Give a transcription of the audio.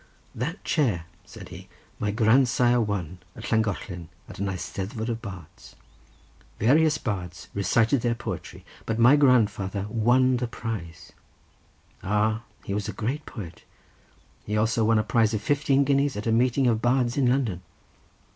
"That chair," said he, "my grandsire won at Llangollen, at an Eisteddfod of Bards. Various bards recited their poetry, but my grandfather won the prize. Ah, he was a good poet. He also won a prize of fifteen guineas at a meeting of bards in London."